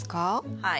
はい。